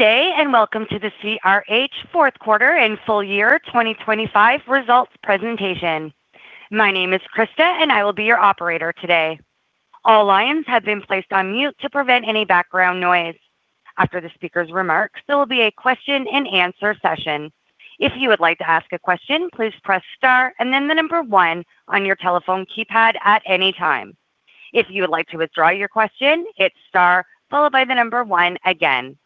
Good day, and welcome to the CRH fourth quarter and full year 2025 results presentation. My name is Krista, and I will be your operator today. All lines have been placed on mute to prevent any background noise. After the speaker's remarks, there will be a question-and-answer session. If you would like to ask a question, please press star and then the number one on your telephone keypad at any time. If you would like to withdraw your question, hit Star followed by the number one again.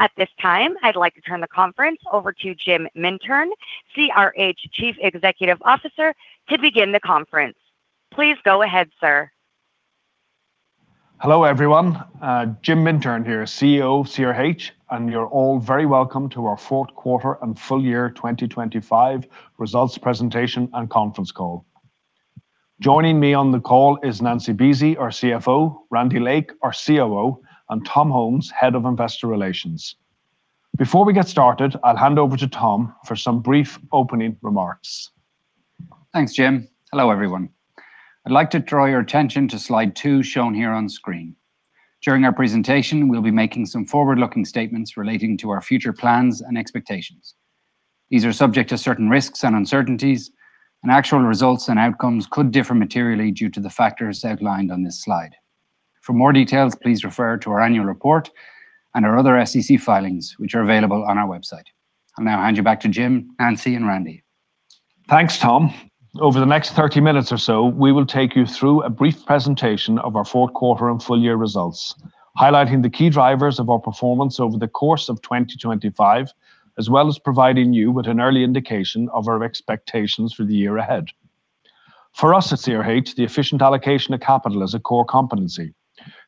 At this time, I'd like to turn the conference over to Jim Mintern, CRH Chief Executive Officer, to begin the conference. Please go ahead, sir. Hello, everyone. Jim Mintern here, CEO of CRH, and you're all very welcome to our fourth quarter and full year 2025 results presentation and conference call. Joining me on the call is Nancy Buese, our CFO, Randy Lake, our COO, and Tom Holmes, Head of Investor Relations. Before we get started, I'll hand over to Tom for some brief opening remarks. Thanks, Jim. Hello, everyone. I'd like to draw your attention to slide one, shown here on screen. During our presentation, we'll be making some forward-looking statements relating to our future plans and expectations. These are subject to certain risks and uncertainties, and actual results and outcomes could differ materially due to the factors outlined on this slide. For more details, please refer to our annual report and our other SEC filings, which are available on our website. I'll now hand you back to Jim, Nancy, and Randy. Thanks, Tom. Over the next 30 minutes or so, we will take you through a brief presentation of our fourth quarter and full year results, highlighting the key drivers of our performance over the course of 2025, as well as providing you with an early indication of our expectations for the year ahead. For us at CRH, the efficient allocation of capital is a core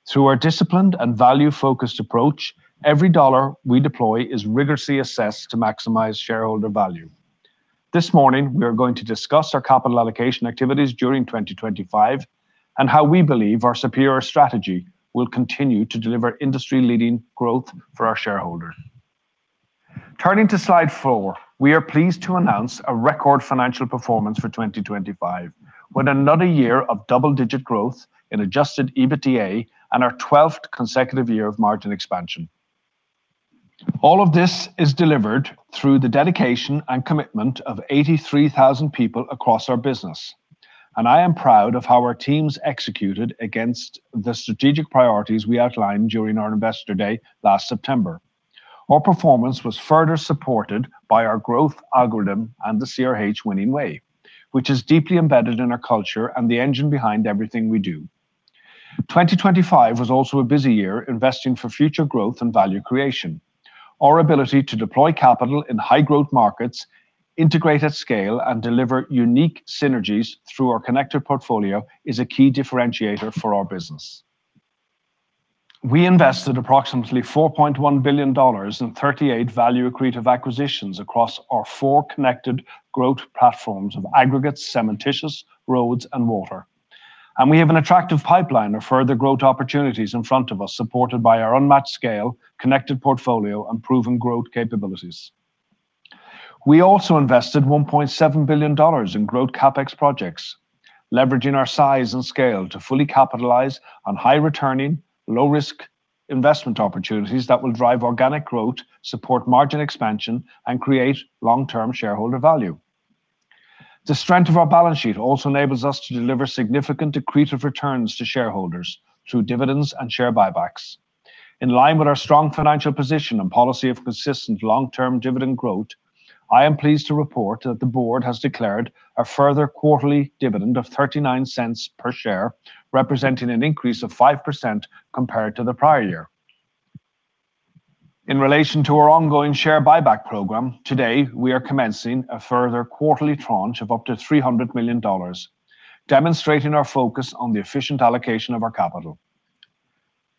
competency. Through our disciplined and value-focused approach, every dollar we deploy is rigorously assessed to maximize shareholder value. This morning, we are going to discuss our capital allocation activities during 2025, and how we believe our superior strategy will continue to deliver industry-leading growth for our shareholders. Turning to slide four, we are pleased to announce a record financial performance for 2025, with another year of double-digit growth in adjusted EBITDA and our 12th consecutive year of margin expansion. All of this is delivered through the dedication and commitment of 83,000 people across our business, and I am proud of how our teams executed against the strategic priorities we outlined during our Investor Day last September. Our performance was further supported by our growth algorithm and the CRH Winning Way, which is deeply embedded in our culture and the engine behind everything we do. 2025 was also a busy year, investing for future growth and value creation. Our ability to deploy capital in high-growth markets, integrate at scale, and deliver unique synergies through our connected portfolio is a key differentiator for our business. We invested approximately $4.1 billion in 38 value accretive acquisitions across our four connected growth platforms of aggregates, cementitious, roads, and water. We have an attractive pipeline of further growth opportunities in front of us, supported by our unmatched scale, connected portfolio, and proven growth capabilities. We also invested $1.7 billion in growth CapEx projects, leveraging our size and scale to fully capitalize on high-returning, low-risk investment opportunities that will drive organic growth, support margin expansion, and create long-term shareholder value. The strength of our balance sheet also enables us to deliver significant accretive returns to shareholders through dividends and share buybacks. In line with our strong financial position and policy of consistent long-term dividend growth, I am pleased to report that the board has declared a further quarterly dividend of $0.39 per share, representing an increase of 5% compared to the prior year. In relation to our ongoing share buyback program, today, we are commencing a further quarterly tranche of up to $300 million, demonstrating our focus on the efficient allocation of our capital.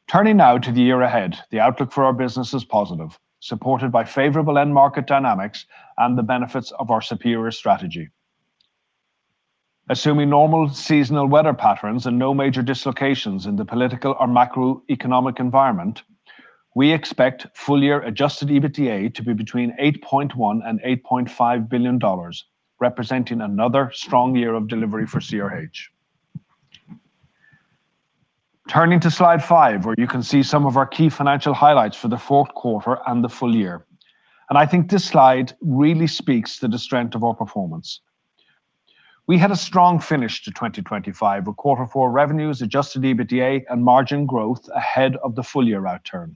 Turning now to the year ahead, the outlook for our business is positive, supported by favorable end market dynamics and the benefits of our superior strategy. Assuming normal seasonal weather patterns and no major dislocations in the political or macroeconomic environment, we expect full-year Adjusted EBITDA to be between $8.1 billion and $8.5 billion, representing another strong year of delivery for CRH. Turning to slide five, where you can see some of our key financial highlights for the fourth quarter and the full year. I think this slide really speaks to the strength of our performance. We had a strong finish to 2025, with quarter four revenues, Adjusted EBITDA, and margin growth ahead of the full-year outturn.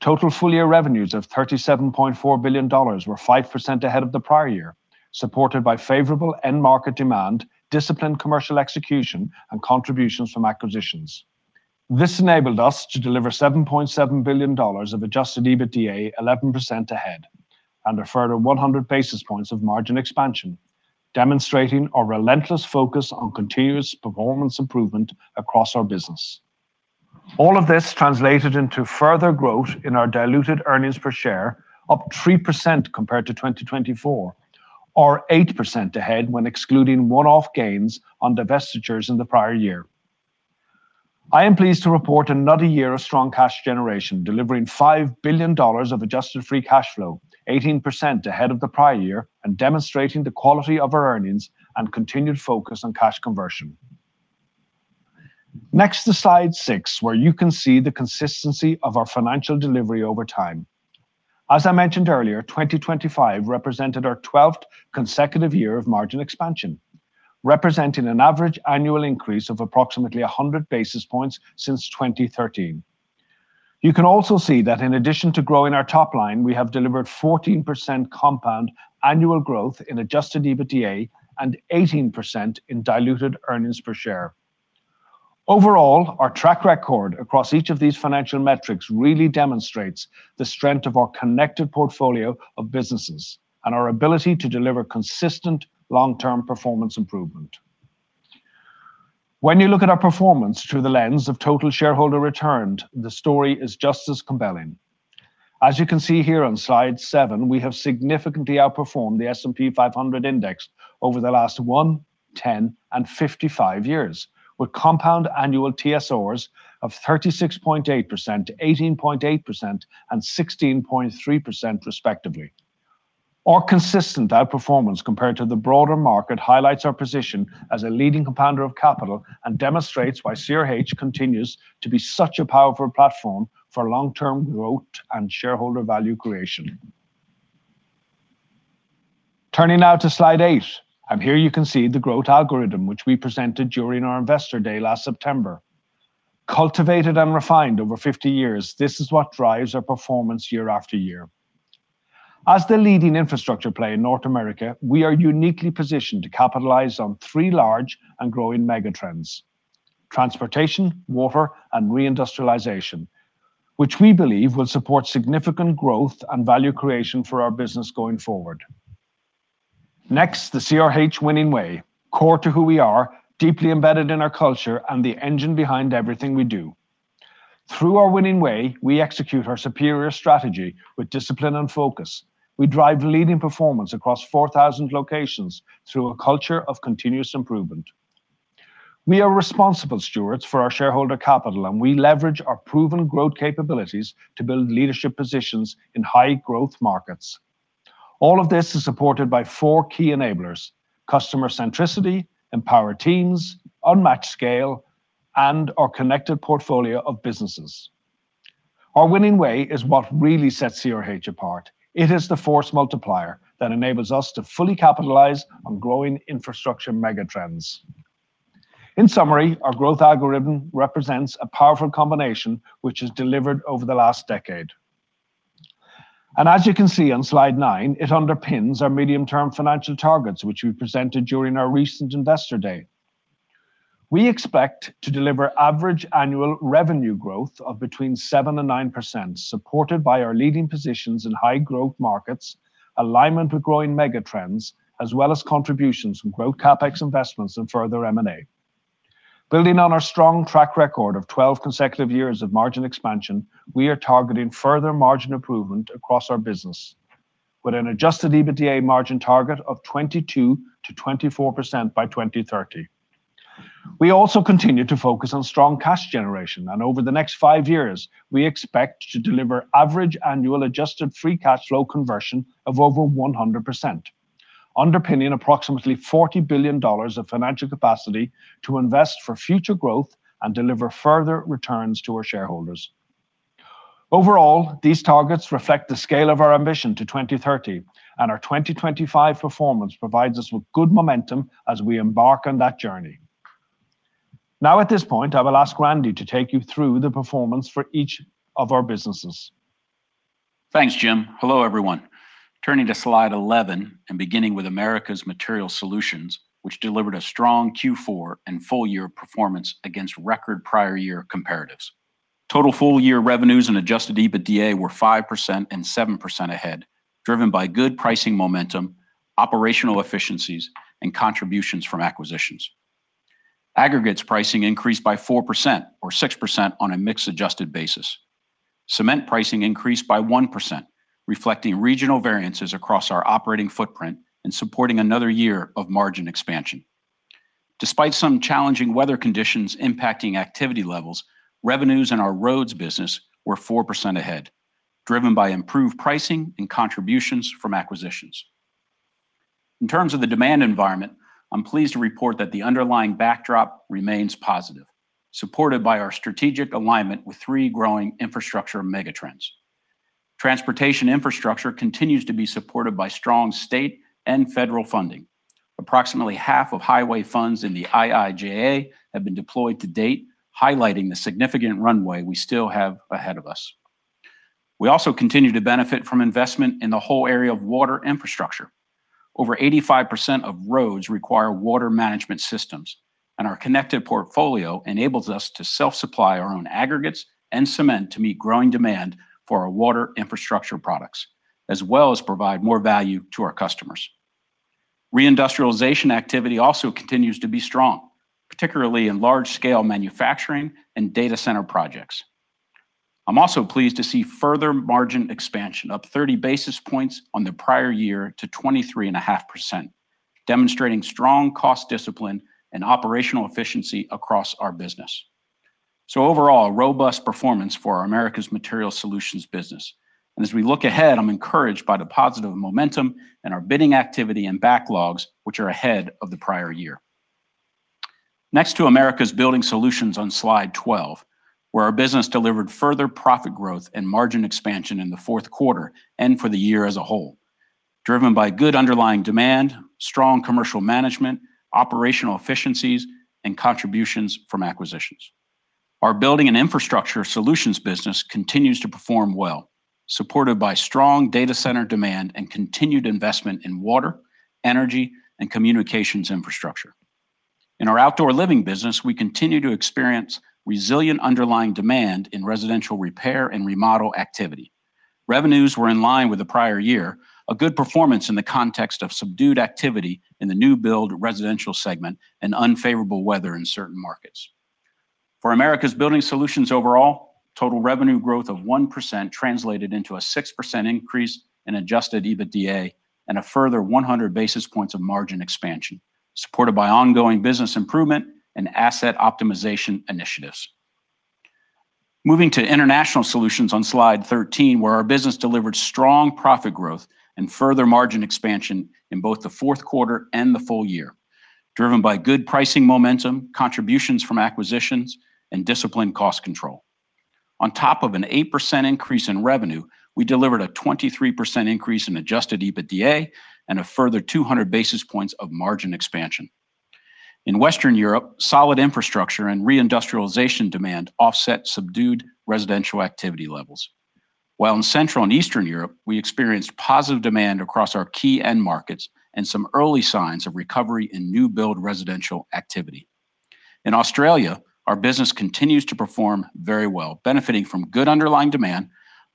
Total full-year revenues of $37.4 billion were 5% ahead of the prior year, supported by favorable end market demand, disciplined commercial execution, and contributions from acquisitions. This enabled us to deliver $7.7 billion of Adjusted EBITDA, 11% ahead, and a further 100 basis points of margin expansion, demonstrating our relentless focus on continuous performance improvement across our business. All of this translated into further growth in our diluted earnings per share, up 3% compared to 2024 or 8% ahead when excluding one-off gains on divestitures in the prior year. I am pleased to report another year of strong cash generation, delivering $5 billion of Adjusted Free Cash Flow, 18% ahead of the prior year, and demonstrating the quality of our earnings and continued focus on cash conversion.... Next, to Slide six, where you can see the consistency of our financial delivery over time. As I mentioned earlier, 2025 represented our 12th consecutive year of margin expansion, representing an average annual increase of approximately 100 basis points since 2013. You can also see that in addition to growing our top line, we have delivered 14% compound annual growth in Adjusted EBITDA and 18% in Diluted Earnings Per Share. Overall, our track record across each of these financial metrics really demonstrates the strength of our connected portfolio of businesses and our ability to deliver consistent long-term performance improvement. When you look at our performance through the lens of total shareholder return, the story is just as compelling. As you can see here on Slide seven, we have significantly outperformed the S&P 500 index over the last one, 10, and 55 years, with compound annual TSRs of 36.8%, 18.8%, and 16.3% respectively. Our consistent outperformance compared to the broader market highlights our position as a leading compounder of capital and demonstrates why CRH continues to be such a powerful platform for long-term growth and shareholder value creation. Turning now to Slide eight, and here you can see the growth algorithm, which we presented during our Investor Day last September. Cultivated and refined over 50 years, this is what drives our performance year after year. As the leading infrastructure play in North America, we are uniquely positioned to capitalize on three large and growing megatrends: transportation, water, and reindustrialization, which we believe will support significant growth and value creation for our business going forward. Next, the CRH winning way, core to who we are, deeply embedded in our culture, and the engine behind everything we do. Through our winning way, we execute our superior strategy with discipline and focus. We drive leading performance across 4,000 locations through a culture of continuous improvement. We are responsible stewards for our shareholder capital, and we leverage our proven growth capabilities to build leadership positions in high-growth markets. All of this is supported by four key enablers: customer centricity, empowered teams, unmatched scale, and our connected portfolio of businesses. Our winning way is what really sets CRH apart. It is the force multiplier that enables us to fully capitalize on growing infrastructure megatrends. In summary, our growth algorithm represents a powerful combination, which is delivered over the last decade. As you can see on Slide nine, it underpins our medium-term financial targets, which we presented during our recent Investor Day. We expect to deliver average annual revenue growth of between 7% and 9%, supported by our leading positions in high-growth markets, alignment with growing megatrends, as well as contributions from growth CapEx investments and further M&A. Building on our strong track record of 12 consecutive years of margin expansion, we are targeting further margin improvement across our business, with an Adjusted EBITDA margin target of 22%-24% by 2030. We also continue to focus on strong cash generation, and over the next five years, we expect to deliver average annual Adjusted Free Cash Flow conversion of over 100%, underpinning approximately $40 billion of financial capacity to invest for future growth and deliver further returns to our shareholders. Overall, these targets reflect the scale of our ambition to 2030, and our 2025 performance provides us with good momentum as we embark on that journey. Now, at this point, I will ask Randy to take you through the performance for each of our businesses. Thanks, Jim. Hello, everyone. Turning to Slide 11 and beginning with Americas Materials Solutions, which delivered a strong Q4 and full-year performance against record prior year comparatives. Total full-year revenues and adjusted EBITDA were 5% and 7% ahead, driven by good pricing momentum, operational efficiencies, and contributions from acquisitions. Aggregates pricing increased by 4% or 6% on a mix-adjusted basis. Cement pricing increased by 1%, reflecting regional variances across our operating footprint and supporting another year of margin expansion. Despite some challenging weather conditions impacting activity levels, revenues in our roads business were 4% ahead, driven by improved pricing and contributions from acquisitions. In terms of the demand environment, I'm pleased to report that the underlying backdrop remains positive, supported by our strategic alignment with three growing infrastructure megatrends. Transportation infrastructure continues to be supported by strong state and federal funding. Approximately half of highway funds in the IIJA have been deployed to date, highlighting the significant runway we still have ahead of us. We also continue to benefit from investment in the whole area of water infrastructure. Over 85% of roads require water management systems, and our connected portfolio enables us to self-supply our own aggregates and cement to meet growing demand for our water infrastructure products, as well as provide more value to our customers. Reindustrialization activity also continues to be strong, particularly in large-scale manufacturing and data center projects. I'm also pleased to see further margin expansion, up 30 basis points on the prior year to 23.5%, demonstrating strong cost discipline and operational efficiency across our business. So overall, a robust performance for our Americas Material Solutions business. As we look ahead, I'm encouraged by the positive momentum and our bidding activity and backlogs, which are ahead of the prior year. Next to Americas Building Solutions on Slide 12, where our business delivered further profit growth and margin expansion in the fourth quarter and for the year as a whole, driven by good underlying demand, strong commercial management, operational efficiencies, and contributions from acquisitions. Our building and infrastructure solutions business continues to perform well, supported by strong data center demand and continued investment in water, energy, and communications infrastructure. In our outdoor living business, we continue to experience resilient underlying demand in residential repair and remodel activity. Revenues were in line with the prior year, a good performance in the context of subdued activity in the new build residential segment and unfavorable weather in certain markets. For Americas Building Solutions overall, total revenue growth of 1% translated into a 6% increase in Adjusted EBITDA and a further 100 basis points of margin expansion, supported by ongoing business improvement and asset optimization initiatives. Moving to International Solutions on Slide 13, where our business delivered strong profit growth and further margin expansion in both the fourth quarter and the full year, driven by good pricing momentum, contributions from acquisitions, and disciplined cost control. On top of an 8% increase in revenue, we delivered a 23% increase in Adjusted EBITDA and a further 200 basis points of margin expansion. In Western Europe, solid infrastructure and re-industrialization demand offset subdued residential activity levels. While in Central and Eastern Europe, we experienced positive demand across our key end markets and some early signs of recovery in new build residential activity. In Australia, our business continues to perform very well, benefiting from good underlying demand,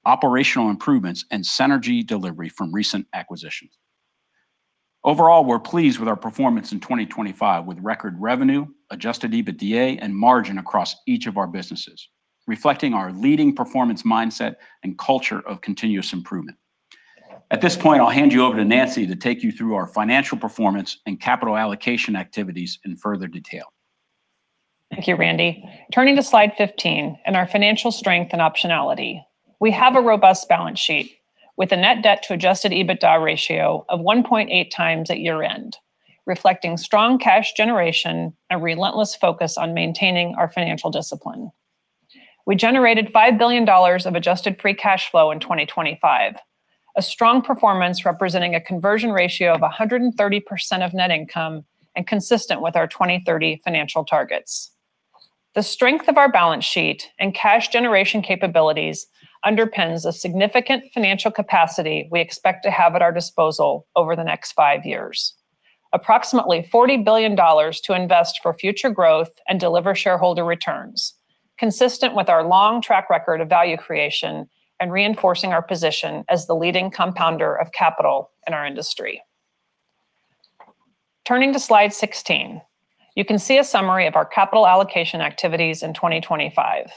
operational improvements, and synergy delivery from recent acquisitions. Overall, we're pleased with our performance in 2025, with record revenue, Adjusted EBITDA, and margin across each of our businesses, reflecting our leading performance mindset and culture of continuous improvement. At this point, I'll hand you over to Nancy to take you through our financial performance and capital allocation activities in further detail. Thank you, Randy. Turning to Slide 15 and our financial strength and optionality, we have a robust balance sheet with a Net Debt to Adjusted EBITDA ratio of 1.8x at year-end, reflecting strong cash generation and relentless focus on maintaining our financial discipline. We generated $5 billion of Adjusted Free Cash Flow in 2025, a strong performance representing a conversion ratio of 130% of net income and consistent with our 2030 financial targets. The strength of our balance sheet and cash generation capabilities underpins a significant financial capacity we expect to have at our disposal over the next five years. Approximately $40 billion to invest for future growth and deliver shareholder returns, consistent with our long track record of value creation and reinforcing our position as the leading compounder of capital in our industry. Turning to Slide 16, you can see a summary of our capital allocation activities in 2025.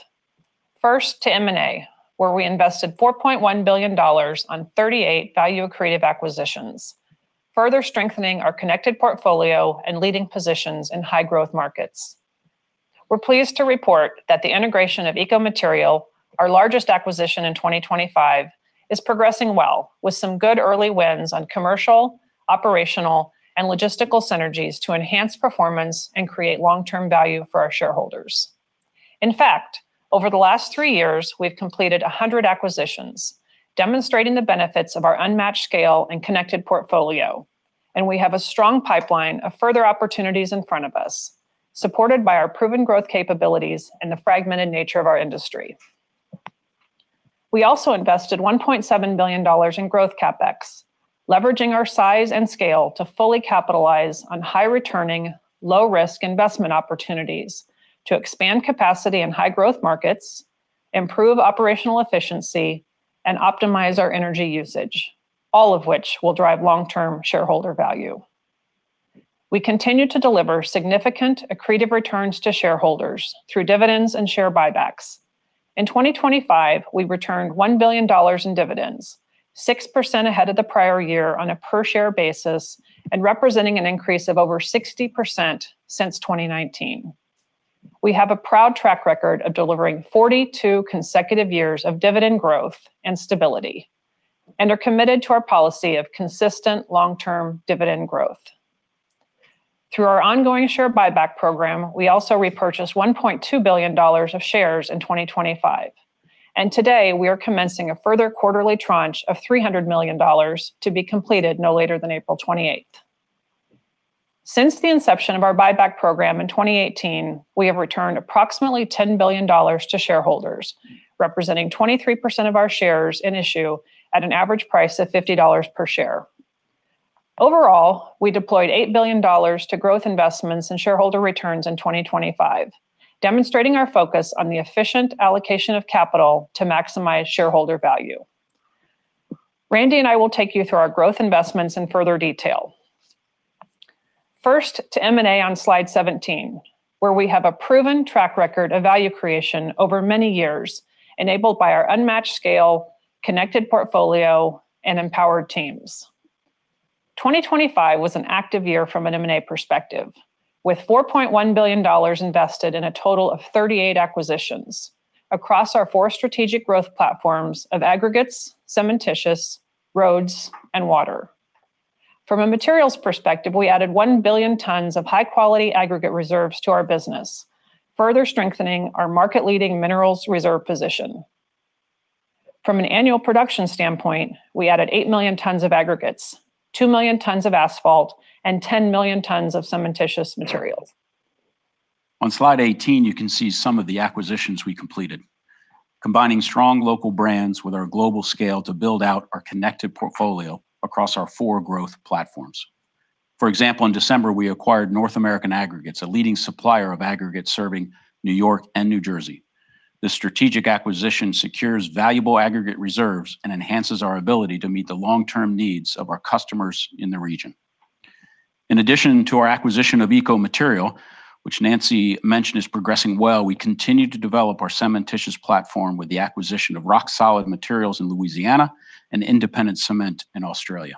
First, to M&A, where we invested $4.1 billion on 38 value-accretive acquisitions, further strengthening our connected portfolio and leading positions in high-growth markets. We're pleased to report that the integration of Eco Material, our largest acquisition in 2025, is progressing well, with some good early wins on commercial, operational, and logistical synergies to enhance performance and create long-term value for our shareholders. In fact, over the last three years, we've completed 100 acquisitions, demonstrating the benefits of our unmatched scale and connected portfolio, and we have a strong pipeline of further opportunities in front of us, supported by our proven growth capabilities and the fragmented nature of our industry. We also invested $1.7 billion in growth CapEx, leveraging our size and scale to fully capitalize on high-returning, low-risk investment opportunities to expand capacity in high-growth markets, improve operational efficiency, and optimize our energy usage, all of which will drive long-term shareholder value. We continue to deliver significant accretive returns to shareholders through dividends and share buybacks. In 2025, we returned $1 billion in dividends, 6% ahead of the prior year on a per-share basis and representing an increase of over 60% since 2019. We have a proud track record of delivering 42 consecutive years of dividend growth and stability and are committed to our policy of consistent long-term dividend growth. Through our ongoing share buyback program, we also repurchased $1.2 billion of shares in 2025, and today, we are commencing a further quarterly tranche of $300 million to be completed no later than April 28th. Since the inception of our buyback program in 2018, we have returned approximately $10 billion to shareholders, representing 23% of our shares in issue at an average price of $50 per share. Overall, we deployed $8 billion to growth investments and shareholder returns in 2025, demonstrating our focus on the efficient allocation of capital to maximize shareholder value. Randy and I will take you through our growth investments in further detail. First, to M&A on Slide 17, where we have a proven track record of value creation over many years, enabled by our unmatched scale, connected portfolio, and empowered teams. 2025 was an active year from an M&A perspective, with $4.1 billion invested in a total of 38 acquisitions across our four strategic growth platforms of aggregates, cementitious, roads, and water. From a materials perspective, we added one billion tons of high-quality aggregate reserves to our business, further strengthening our market-leading minerals reserve position. From an annual production standpoint, we added eight million tons of aggregates, two million tons of asphalt, and 10 million tons of cementitious materials. On slide 18, you can see some of the acquisitions we completed, combining strong local brands with our global scale to build out our connected portfolio across our four growth platforms. For example, in December, we acquired North American Aggregates, a leading supplier of aggregates serving New York and New Jersey. This strategic acquisition secures valuable aggregate reserves and enhances our ability to meet the long-term needs of our customers in the region. In addition to our acquisition of Eco Material, which Nancy mentioned is progressing well, we continued to develop our cementitious platform with the acquisition of Rock Solid Materials in Louisiana and Independent Cement in Australia.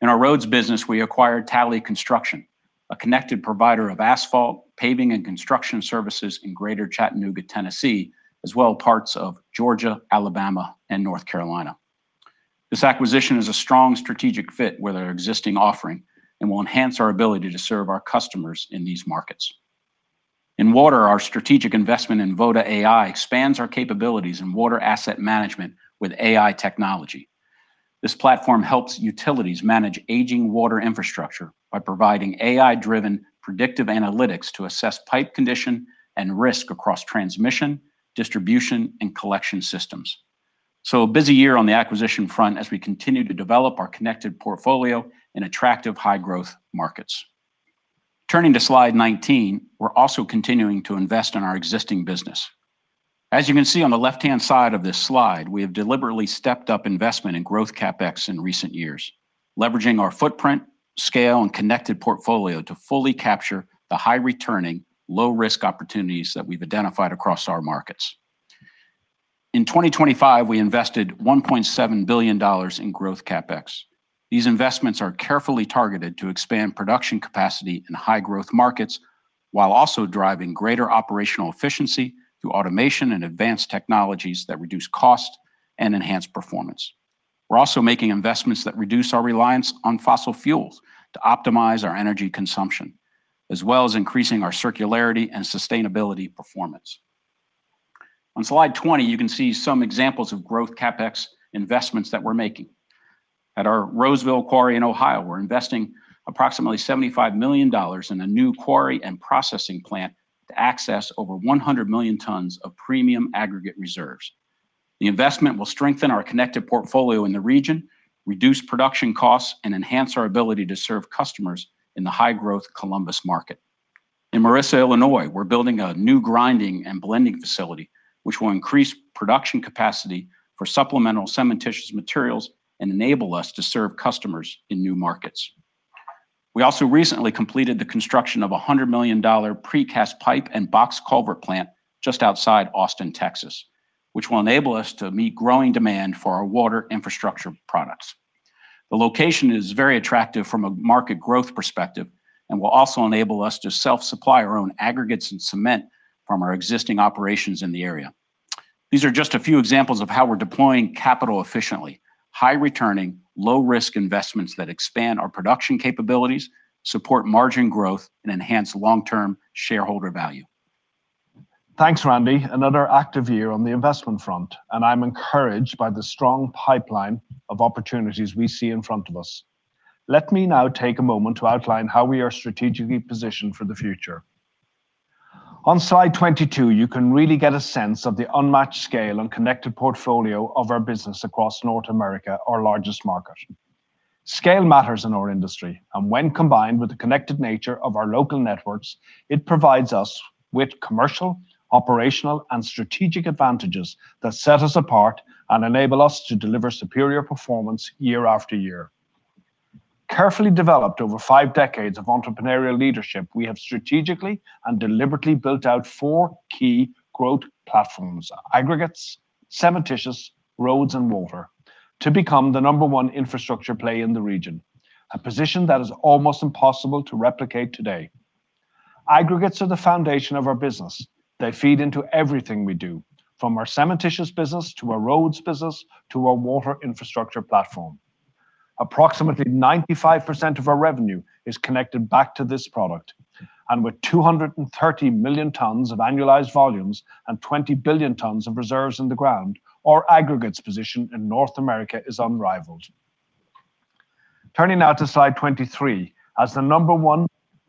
In our roads business, we acquired Talley Construction, a connected provider of asphalt, paving, and construction services in Greater Chattanooga, Tennessee, as well as parts of Georgia, Alabama, and North Carolina. This acquisition is a strong strategic fit with our existing offering and will enhance our ability to serve our customers in these markets. In water, our strategic investment in Voda AI expands our capabilities in water asset management with AI technology. This platform helps utilities manage aging water infrastructure by providing AI-driven predictive analytics to assess pipe condition and risk across transmission, distribution, and collection systems. So a busy year on the acquisition front as we continue to develop our connected portfolio in attractive high-growth markets. Turning to slide 19, we're also continuing to invest in our existing business. As you can see on the left-hand side of this slide, we have deliberately stepped up investment in growth CapEx in recent years, leveraging our footprint, scale, and connected portfolio to fully capture the high-returning, low-risk opportunities that we've identified across our markets. In 2025, we invested $1.7 billion in growth CapEx. These investments are carefully targeted to expand production capacity in high-growth markets, while also driving greater operational efficiency through automation and advanced technologies that reduce cost and enhance performance. We're also making investments that reduce our reliance on fossil fuels to optimize our energy consumption, as well as increasing our circularity and sustainability performance. On slide 20, you can see some examples of growth CapEx investments that we're making. At our Roseville quarry in Ohio, we're investing approximately $75 million in a new quarry and processing plant to access over 100 million tons of premium aggregate reserves. The investment will strengthen our connected portfolio in the region, reduce production costs, and enhance our ability to serve customers in the high-growth Columbus market. In Marissa, Illinois, we're building a new grinding and blending facility, which will increase production capacity for supplemental cementitious materials and enable us to serve customers in new markets. We also recently completed the construction of a $100 million precast pipe and box culvert plant just outside Austin, Texas, which will enable us to meet growing demand for our water infrastructure products. The location is very attractive from a market growth perspective and will also enable us to self-supply our own aggregates and cement from our existing operations in the area. These are just a few examples of how we're deploying capital efficiently, high-returning, low-risk investments that expand our production capabilities, support margin growth, and enhance long-term shareholder value. Thanks, Randy. Another active year on the investment front, and I'm encouraged by the strong pipeline of opportunities we see in front of us. Let me now take a moment to outline how we are strategically positioned for the future. On slide 22, you can really get a sense of the unmatched scale and connected portfolio of our business across North America, our largest market. Scale matters in our industry, and when combined with the connected nature of our local networks, it provides us with commercial, operational, and strategic advantages that set us apart and enable us to deliver superior performance year after year. Carefully developed over five decades of entrepreneurial leadership, we have strategically and deliberately built out four key growth platforms: aggregates, cementitious, roads, and water, to become the number one infrastructure play in the region, a position that is almost impossible to replicate today. Aggregates are the foundation of our business. They feed into everything we do, from our cementitious business to our roads business, to our water infrastructure platform. Approximately 95% of our revenue is connected back to this product, and with 230 million tons of annualized volumes and 20 billion tons of reserves in the ground, our aggregates position in North America is unrivaled. Turning now to slide 23. As the number one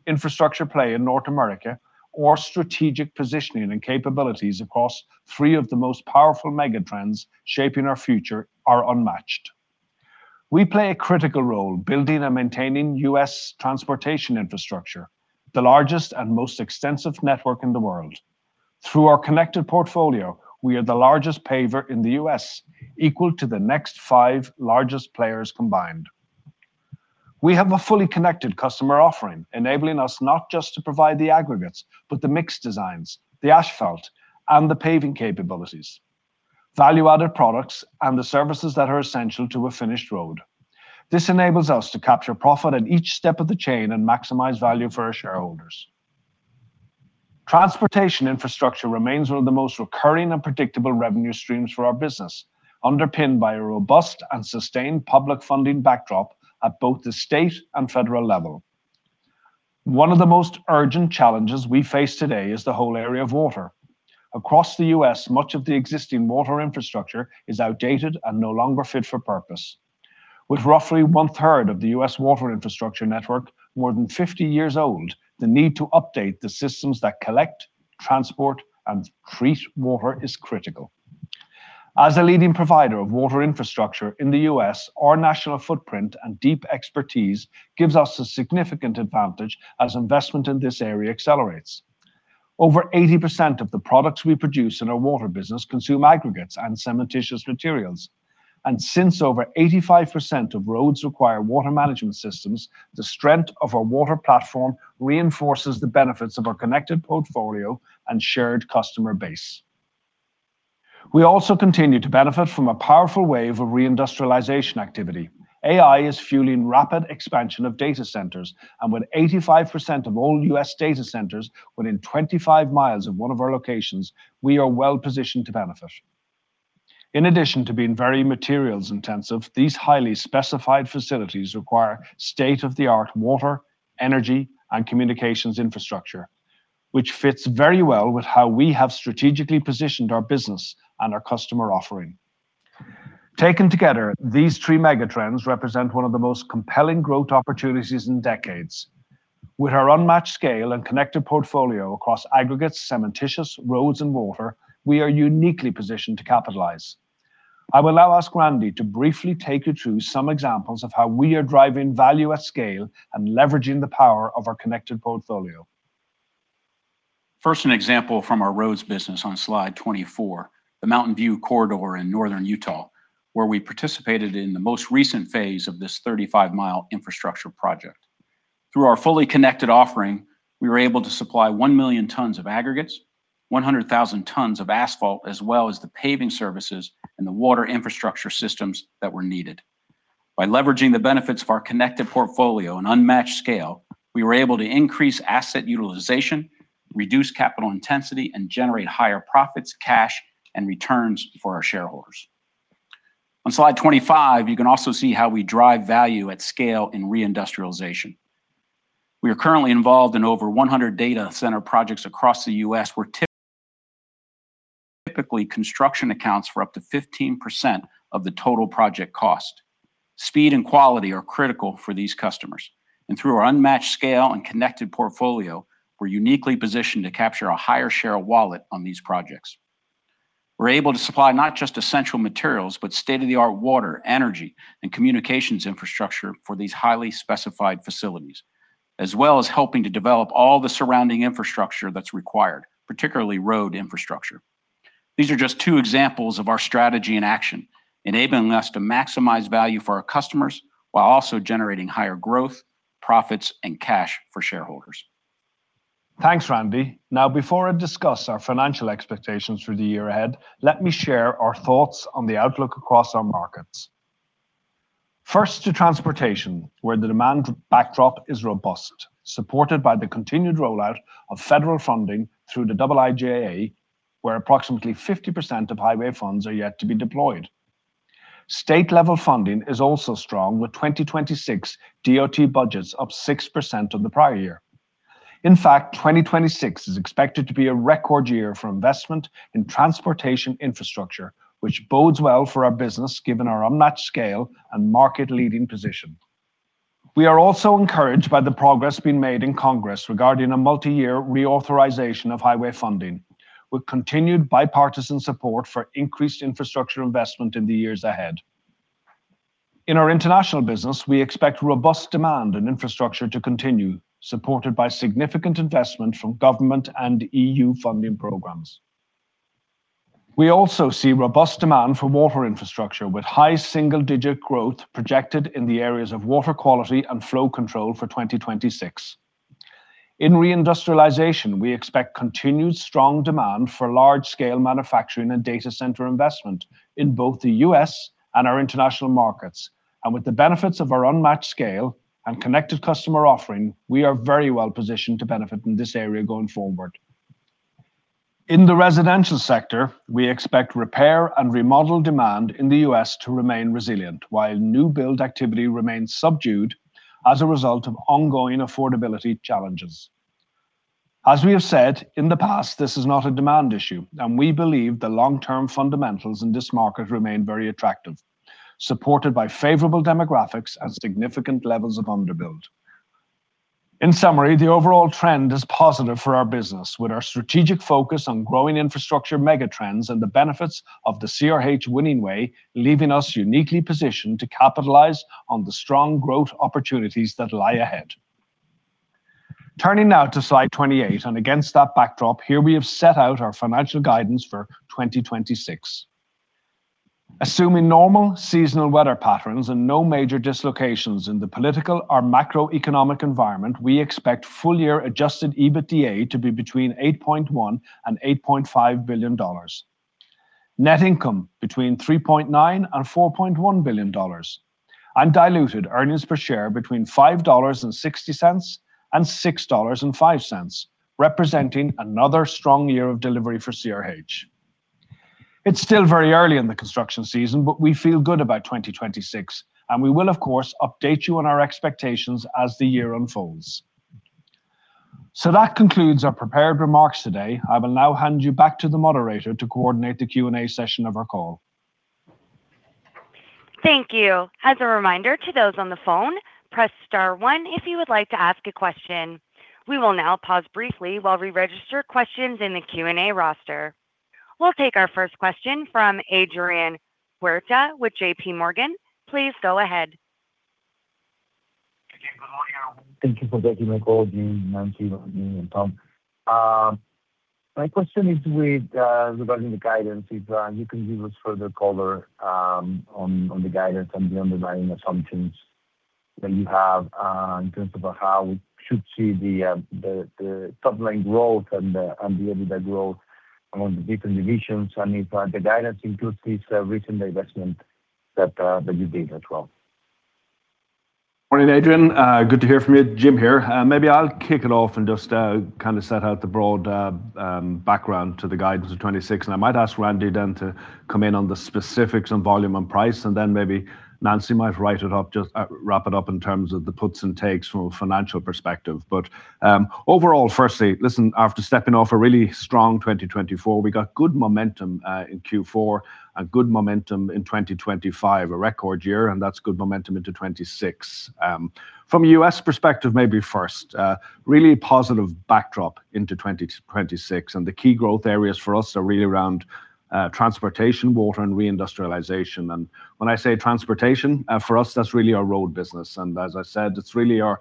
infrastructure play in North America, our strategic positioning and capabilities across three of the most powerful megatrends shaping our future are unmatched. We play a critical role building and maintaining U.S. transportation infrastructure, the largest and most extensive network in the world. Through our connected portfolio, we are the largest paver in the U.S., equal to the next five largest players combined. We have a fully connected customer offering, enabling us not just to provide the aggregates, but the mix designs, the asphalt, and the paving capabilities... value-added products, and the services that are essential to a finished road. This enables us to capture profit at each step of the chain and maximize value for our shareholders. Transportation infrastructure remains one of the most recurring and predictable revenue streams for our business, underpinned by a robust and sustained public funding backdrop at both the state and federal level. One of the most urgent challenges we face today is the whole area of water. Across the U.S., much of the existing water infrastructure is outdated and no longer fit for purpose. With roughly one-third of the U.S. water infrastructure network more than 50 years old, the need to update the systems that collect, transport, and treat water is critical. As a leading provider of water infrastructure in the U.S., our national footprint and deep expertise gives us a significant advantage as investment in this area accelerates. Over 80% of the products we produce in our water business consume aggregates and cementitious materials. Since over 85% of roads require water management systems, the strength of our water platform reinforces the benefits of our connected portfolio and shared customer base. We also continue to benefit from a powerful wave of reindustrialization activity. AI is fueling rapid expansion of data centers, and with 85% of all U.S. data centers within 25 miles of one of our locations, we are well-positioned to benefit. In addition to being very materials-intensive, these highly specified facilities require state-of-the-art water, energy, and communications infrastructure, which fits very well with how we have strategically positioned our business and our customer offering. Taken together, these three megatrends represent one of the most compelling growth opportunities in decades. With our unmatched scale and connected portfolio across aggregates, cementitious, roads, and water, we are uniquely positioned to capitalize. I will now ask Randy to briefly take you through some examples of how we are driving value at scale and leveraging the power of our connected portfolio. First, an example from our roads business on slide 24, the Mountain View Corridor in northern Utah, where we participated in the most recent phase of this 35-mile infrastructure project. Through our fully connected offering, we were able to supply 1,000,000 tons of aggregates, 100,000 tons of asphalt, as well as the paving services and the water infrastructure systems that were needed. By leveraging the benefits of our connected portfolio and unmatched scale, we were able to increase asset utilization, reduce capital intensity, and generate higher profits, cash, and returns for our shareholders. On slide 25, you can also see how we drive value at scale in reindustrialization. We are currently involved in over 100 data center projects across the U.S., where typically, construction accounts for up to 15% of the total project cost. Speed and quality are critical for these customers, and through our unmatched scale and connected portfolio, we're uniquely positioned to capture a higher share of wallet on these projects. We're able to supply not just essential materials, but state-of-the-art water, energy, and communications infrastructure for these highly specified facilities, as well as helping to develop all the surrounding infrastructure that's required, particularly road infrastructure. These are just two examples of our strategy in action, enabling us to maximize value for our customers while also generating higher growth, profits, and cash for shareholders. Thanks, Randy. Now, before I discuss our financial expectations for the year ahead, let me share our thoughts on the outlook across our markets. First, to transportation, where the demand backdrop is robust, supported by the continued rollout of federal funding through the IIJA, where approximately 50% of highway funds are yet to be deployed. State-level funding is also strong, with 2026 DOT budgets up 6% on the prior year. In fact, 2026 is expected to be a record year for investment in transportation infrastructure, which bodes well for our business, given our unmatched scale and market-leading position. We are also encouraged by the progress being made in Congress regarding a multi-year reauthorization of highway funding, with continued bipartisan support for increased infrastructure investment in the years ahead. In our international business, we expect robust demand and infrastructure to continue, supported by significant investment from government and EU funding programs. We also see robust demand for water infrastructure, with high single-digit growth projected in the areas of water quality and flow control for 2026. In reindustrialization, we expect continued strong demand for large-scale manufacturing and data center investment in both the U.S. and our international markets. And with the benefits of our unmatched scale and connected customer offering, we are very well positioned to benefit in this area going forward. In the residential sector, we expect repair and remodel demand in the U.S. to remain resilient, while new build activity remains subdued as a result of ongoing affordability challenges. As we have said in the past, this is not a demand issue, and we believe the long-term fundamentals in this market remain very attractive, supported by favorable demographics and significant levels of underbuild. In summary, the overall trend is positive for our business, with our strategic focus on growing infrastructure megatrends and the benefits of the CRH winning way, leaving us uniquely positioned to capitalize on the strong growth opportunities that lie ahead. Turning now to slide 28, and against that backdrop, here we have set out our financial guidance for 2026. Assuming normal seasonal weather patterns and no major dislocations in the political or macroeconomic environment, we expect full-year Adjusted EBITDA to be between $8.1 billion and $8.5 billion. Net income between $3.9 billion and $4.1 billion, and diluted earnings per share between $5.60 and $6.05, representing another strong year of delivery for CRH. It's still very early in the construction season, but we feel good about 2026, and we will, of course, update you on our expectations as the year unfolds. So that concludes our prepared remarks today. I will now hand you back to the moderator to coordinate the Q&A session of our call. Thank you. As a reminder to those on the phone, press star one if you would like to ask a question. We will now pause briefly while we register questions in the Q&A roster. We'll take our first question from Adrian Huerta with JPMorgan. Please go ahead. Okay. Good morning. Thank you for taking my call, Jim, Nancy, and Tom. My question is with regarding the guidance, if you can give us further color on the guidance and the underlying assumptions that you have in terms of how we should see the top-line growth and the EBITDA growth among the different divisions, and if the guidance includes this recent investment that you did as well. Morning, Adrian. Good to hear from you. Jim here. Maybe I'll kick it off and just kind of set out the broad background to the guidance of 26, and I might ask Randy then to come in on the specifics on volume and price, and then maybe Nancy might write it up, just wrap it up in terms of the puts and takes from a financial perspective. But overall, firstly, listen, after stepping off a really strong 2024, we got good momentum in Q4 and good momentum in 2025, a record year, and that's good momentum into 2026. From a U.S. perspective, maybe first, really positive backdrop into 2026, and the key growth areas for us are really around transportation, water, and reindustrialization. When I say transportation, for us, that's really our road business. As I said, it's really our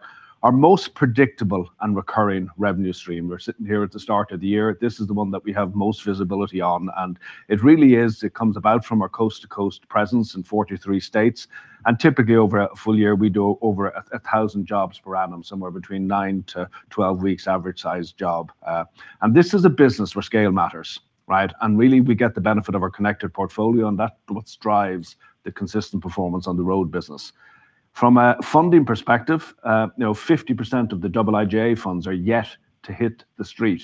most predictable and recurring revenue stream. We're sitting here at the start of the year. This is the one that we have most visibility on, and it really is. It comes about from our coast-to-coast presence in 43 states, and typically, over a full year, we do over 1,000 jobs per annum, somewhere between nine-12 weeks, average size job. This is a business where scale matters, right? Really, we get the benefit of our connected portfolio, and that's what drives the consistent performance on the road business. From a funding perspective, you know, 50% of the IIJA funds are yet to hit the street,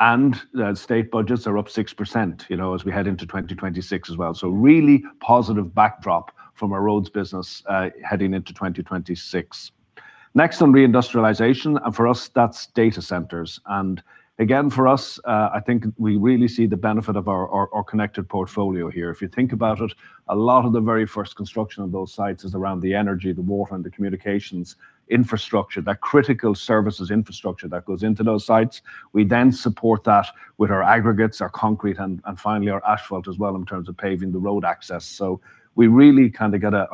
and the state budgets are up 6%, you know, as we head into 2026 as well. So really positive backdrop from our roads business, heading into 2026. Next, on reindustrialization, and for us, that's data centers. And again, for us, I think we really see the benefit of our, our, our connected portfolio here. If you think about it, a lot of the very first construction of those sites is around the energy, the water, and the communications infrastructure. That critical services infrastructure that goes into those sites, we then support that with our aggregates, our concrete, and, and finally, our asphalt as well, in terms of paving the road access. So we really kinda get a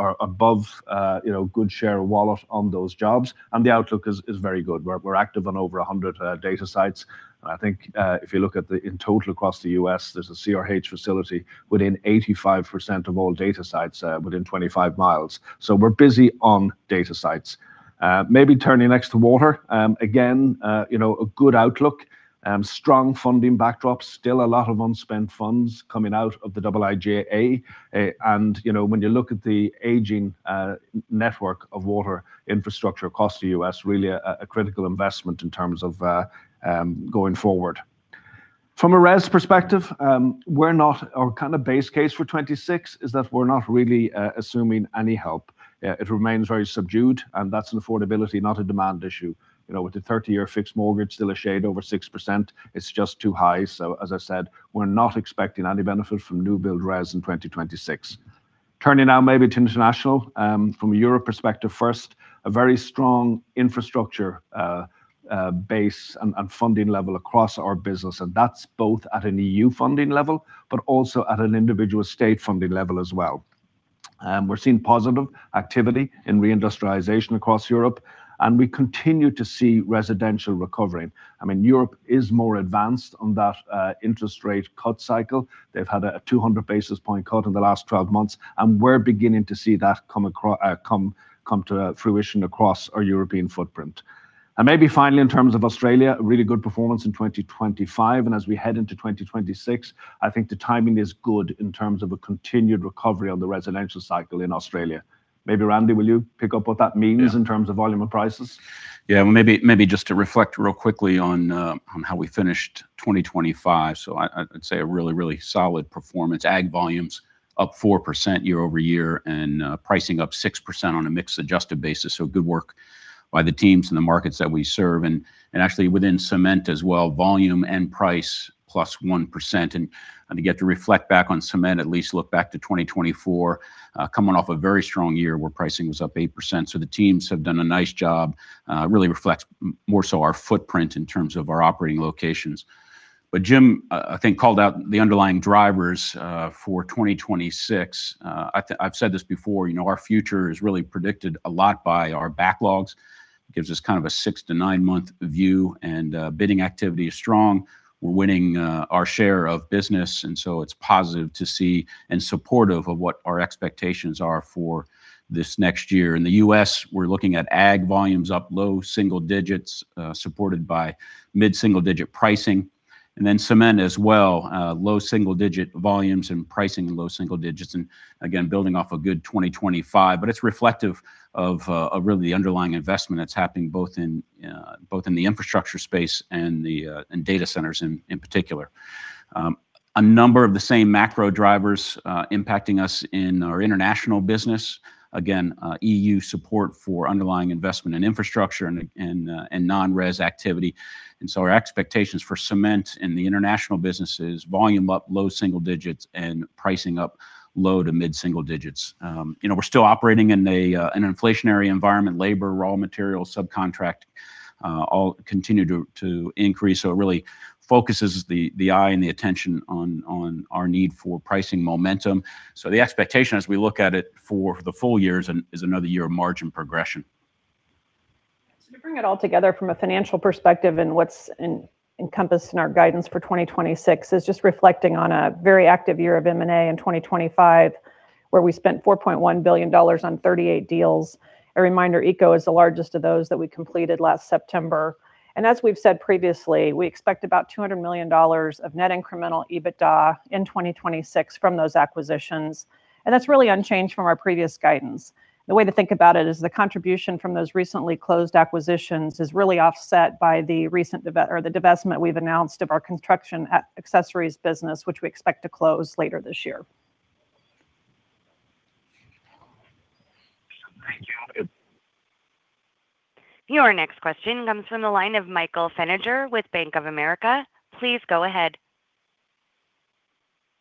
good share of wallet on those jobs, and the outlook is very good. We're active on over 100 data sites. And I think, if you look at, in total, across the U.S., there's a CRH facility within 85% of all data sites, within 25 miles. So we're busy on data sites. Maybe turning next to water. Again, you know, a good outlook, strong funding backdrop. Still a lot of unspent funds coming out of the IIJA. And, you know, when you look at the aging network of water infrastructure across the U.S., really a critical investment in terms of going forward. From a res perspective, our kind of base case for 2026 is that we're not really assuming any help. It remains very subdued, and that's an affordability, not a demand issue. You know, with the 30-year fixed mortgage still a shade over 6%, it's just too high. So as I said, we're not expecting any benefit from new build res in 2026. Turning now maybe to international, from a Europe perspective first, a very strong infrastructure base and funding level across our business, and that's both at an EU funding level but also at an individual state funding level as well. We're seeing positive activity in reindustrialization across Europe, and we continue to see residential recovering. I mean, Europe is more advanced on that interest rate cut cycle. They've had a 200 basis point cut in the last 12 months, and we're beginning to see that come to fruition across our European footprint. And maybe finally, in terms of Australia, a really good performance in 2025, and as we head into 2026, I think the timing is good in terms of a continued recovery on the residential cycle in Australia. Maybe, Randy, will you pick up what that means- Yeah. in terms of volume and prices? Yeah, well, maybe, maybe just to reflect real quickly on how we finished 2025. So I'd say a really, really solid performance. Ag volumes up 4% year-over-year, and pricing up 6% on a mix-adjusted basis. So good work by the teams in the markets that we serve. And actually, within cement as well, volume and price +1%. And to get to reflect back on cement, at least look back to 2024, coming off a very strong year where pricing was up 8%. So the teams have done a nice job, really reflects more so our footprint in terms of our operating locations. But Jim, I think called out the underlying drivers for 2026. I've said this before, you know, our future is really predicted a lot by our backlogs. It gives us kind of a six-to-nine-month view, and bidding activity is strong. We're winning our share of business, and so it's positive to see and supportive of what our expectations are for this next year. In the US, we're looking at ag volumes up low double digits, supported by mid-single-digit pricing, and then cement as well, low single digit volumes and pricing low single digits, and again, building off a good 2025. But it's reflective of really the underlying investment that's happening both in both in the infrastructure space and the and data centers in in particular. A number of the same macro drivers impacting us in our international business. Again, EU support for underlying investment in infrastructure and non-res activity. So our expectations for cement in the international business is volume up low single digits and pricing up low to mid single digits. You know, we're still operating in an inflationary environment, labor, raw materials, subcontract, all continue to increase. So it really focuses the eye and the attention on our need for pricing momentum. So the expectation as we look at it for the full year is another year of margin progression. So to bring it all together from a financial perspective and what's encompassed in our guidance for 2026, is just reflecting on a very active year of M&A in 2025, where we spent $4.1 billion on 38 deals. A reminder, Eco is the largest of those that we completed last September. And as we've said previously, we expect about $200 million of net incremental EBITDA in 2026 from those acquisitions, and that's really unchanged from our previous guidance. The way to think about it is the contribution from those recently closed acquisitions is really offset by the recent divestment we've announced of our construction and accessories business, which we expect to close later this year. Thank you. Your next question comes from the line of Michael Feniger with Bank of America. Please go ahead.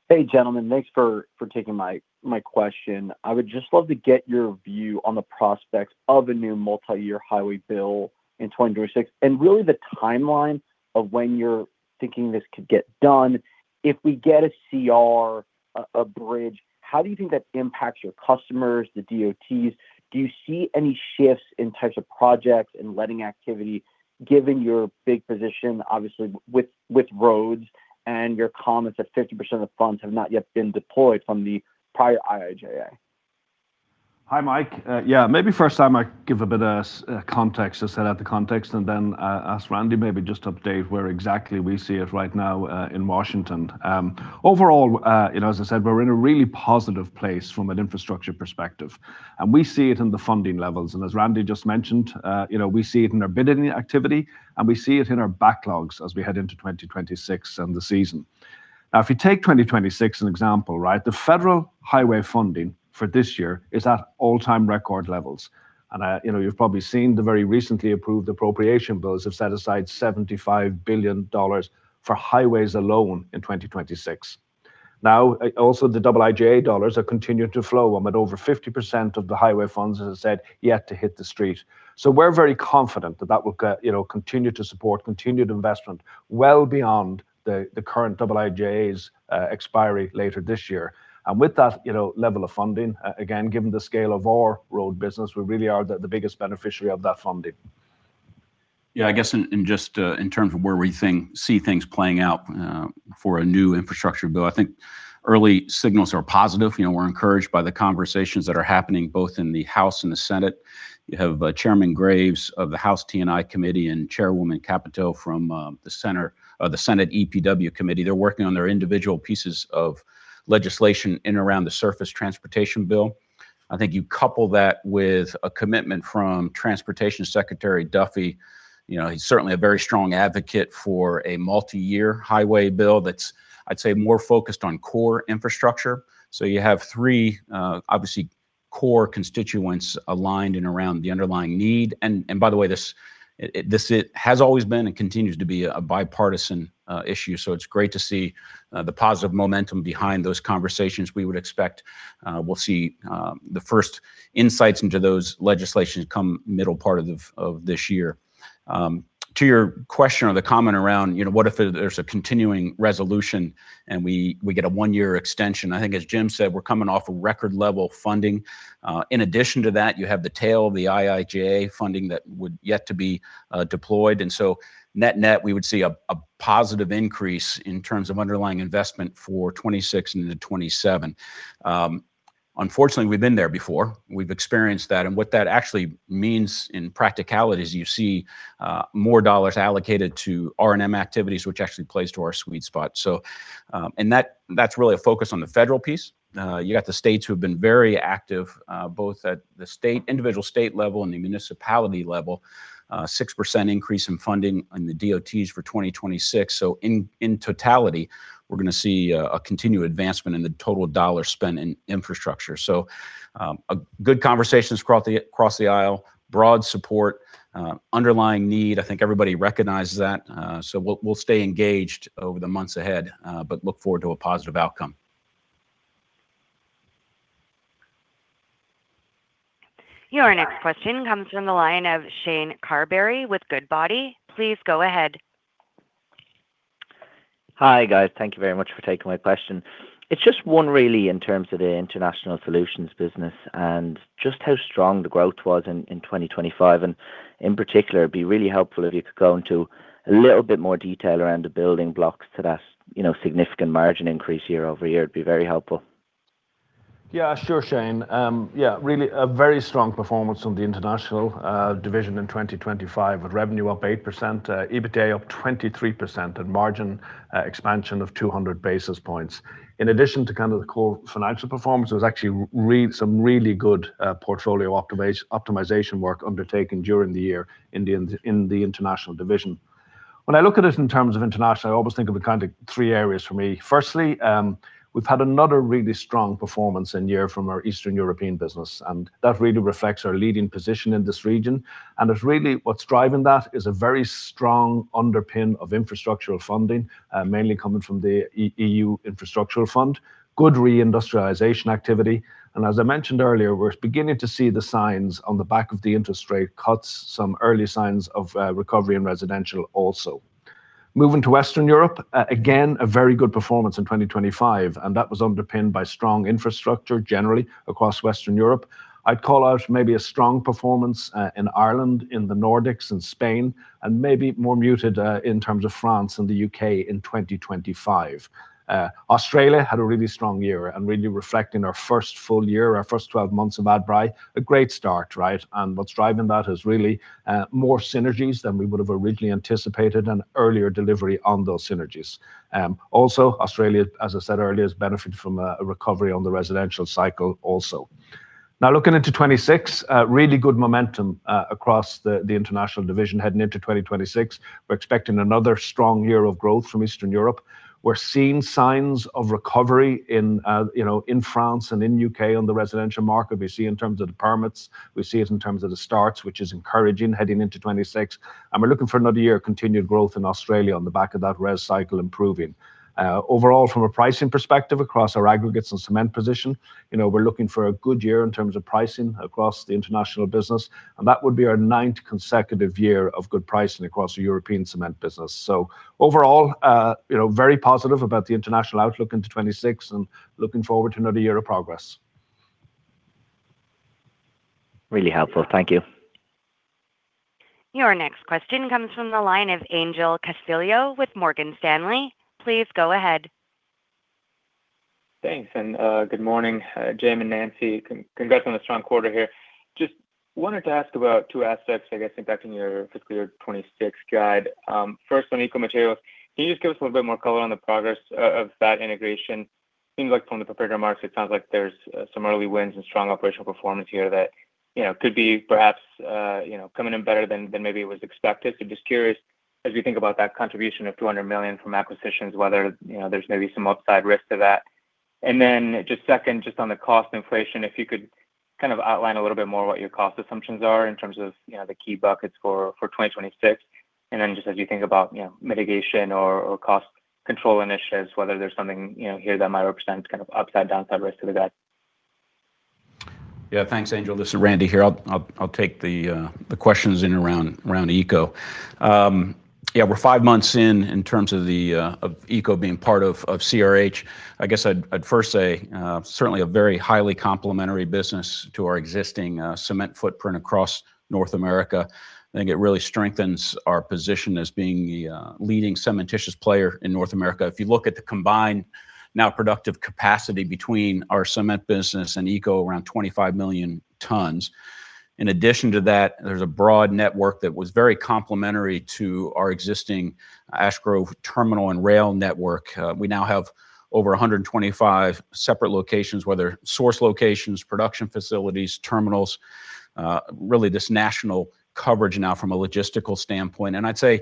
Hey, gentlemen. Thanks for taking my question. I would just love to get your view on the prospects of a new multi-year highway bill in 2026, and really the timeline of when you're thinking this could get done. If we get a CR, a bridge, how do you think that impacts your customers, the DOTs? Do you see any shifts in types of projects and letting activity, given your big position, obviously, with roads and your comments that 50% of the funds have not yet been deployed from the prior IIJA? Hi, Mike. Yeah, maybe first I might give a bit of context, to set out the context, and then ask Randy maybe just to update where exactly we see it right now in Washington. Overall, you know, as I said, we're in a really positive place from an infrastructure perspective, and we see it in the funding levels. And as Randy just mentioned, you know, we see it in our bidding activity, and we see it in our backlogs as we head into 2026 and the season. Now, if you take 2026, an example, right? The federal highway funding for this year is at all-time record levels. And, you know, you've probably seen the very recently approved appropriation bills have set aside $75 billion for highways alone in 2026. Now, also, the IIJA dollars have continued to flow. I mean, over 50% of the highway funds, as I said, yet to hit the street. So we're very confident that that will, you know, continue to support continued investment well beyond the current IIJA's expiry later this year. And with that, you know, level of funding, again, given the scale of our road business, we really are the biggest beneficiary of that funding. Yeah, I guess in just in terms of where we think we see things playing out for a new infrastructure bill, I think early signals are positive. You know, we're encouraged by the conversations that are happening both in the House and the Senate. You have Chairman Graves of the House T&I Committee and Chairwoman Capito from the Senate EPW Committee. They're working on their individual pieces of legislation in and around the surface transportation bill. I think you couple that with a commitment from Transportation Secretary Duffy. You know, he's certainly a very strong advocate for a multi-year highway bill that's, I'd say, more focused on core infrastructure. So you have three obviously core constituents aligned around the underlying need. And by the way, this has always been and continues to be a bipartisan issue. So it's great to see the positive momentum behind those conversations. We would expect we'll see the first insights into those legislations come middle part of this year. To your question or the comment around, you know, what if there's a continuing resolution and we get a one-year extension? I think, as Jim said, we're coming off a record level of funding. In addition to that, you have the tail of the IIJA funding that would yet to be deployed. And so net-net, we would see a positive increase in terms of underlying investment for 2026 into 2027. Unfortunately, we've been there before. We've experienced that, and what that actually means in practicality is you see more dollars allocated to R&M activities, which actually plays to our sweet spot. So, and that, that's really a focus on the federal piece. You got the states who have been very active, both at the state, individual state level and the municipality level. 6% increase in funding in the DOTs for 2026. So in totality, we're gonna see a continued advancement in the total dollar spent in infrastructure. So, a good conversations across the aisle, broad support, underlying need. I think everybody recognizes that, so we'll stay engaged over the months ahead, but look forward to a positive outcome. Your next question comes from the line of Shane Carberry with Goodbody. Please go ahead. Hi, guys. Thank you very much for taking my question. It's just one really in terms of the international solutions business and just how strong the growth was in, in 2025. And in particular, it'd be really helpful if you could go into a little bit more detail around the building blocks to that, you know, significant margin increase year-over-year. It'd be very helpful. Yeah, sure, Shane. Yeah, really a very strong performance from the international division in 2025, with revenue up 8%, EBITDA up 23%, and margin expansion of 200 basis points. In addition to kind of the core financial performance, there was actually some really good portfolio optimization work undertaken during the year in the international division. When I look at it in terms of international, I always think of it kind of three areas for me. Firstly, we've had another really strong performance in year from our Eastern European business, and that really reflects our leading position in this region. It's really what's driving that is a very strong underpin of infrastructure funding, mainly coming from the E.U. infrastructure fund, good reindustrialization activity, and as I mentioned earlier, we're beginning to see the signs on the back of the interest rate cuts, some early signs of recovery in residential also. Moving to Western Europe, again, a very good performance in 2025, and that was underpinned by strong infrastructure generally across Western Europe. I'd call out maybe a strong performance in Ireland, in the Nordics and Spain, and maybe more muted in terms of France and the U.K. in 2025. Australia had a really strong year and really reflecting our first full year, our first 12 months of Adbri, a great start, right? And what's driving that is really, more synergies than we would have originally anticipated and earlier delivery on those synergies. Also, Australia, as I said earlier, is benefiting from a recovery on the residential cycle also. Now, looking into 2026, really good momentum across the international division. Heading into 2026, we're expecting another strong year of growth from Eastern Europe. We're seeing signs of recovery in, you know, in France and in U.K. on the residential market. We see it in terms of the permits, we see it in terms of the starts, which is encouraging, heading into 2026. And we're looking for another year of continued growth in Australia on the back of that res cycle improving. Overall, from a pricing perspective across our aggregates and cement position, you know, we're looking for a good year in terms of pricing across the international business, and that would be our ninth consecutive year of good pricing across the European cement business. So overall, you know, very positive about the international outlook into 2026 and looking forward to another year of progress. Really helpful. Thank you. Your next question comes from the line of Angel Castillo with Morgan Stanley. Please go ahead. Thanks, and good morning, Jim and Nancy. Congrats on the strong quarter here. Just wanted to ask about two aspects, I guess, impacting your fiscal year 2026 guide. First, on Eco Material, can you just give us a little bit more color on the progress of that integration? Seems like from the prepared remarks, it sounds like there's some early wins and strong operational performance here that, you know, could be perhaps coming in better than maybe it was expected. So just curious, as we think about that contribution of $200 million from acquisitions, whether, you know, there's maybe some upside risk to that. And then just second, just on the cost inflation, if you could kind of outline a little bit more what your cost assumptions are in terms of, you know, the key buckets for 2026. And then just as you think about, you know, mitigation or cost control initiatives, whether there's something, you know, here that might represent kind of upside, downside risk to that. Yeah. Thanks, Angel. This is Randy here. I'll take the questions around Eco. Yeah, we're five months in terms of Eco being part of CRH. I guess I'd first say certainly a very highly complementary business to our existing cement footprint across North America. I think it really strengthens our position as being the leading cementitious player in North America. If you look at the combined now productive capacity between our cement business and Eco, around 25 million tons. In addition to that, there's a broad network that was very complementary to our existing Ash Grove terminal and rail network. We now have over 125 separate locations, whether source locations, production facilities, terminals, really this national coverage now from a logistical standpoint. I'd say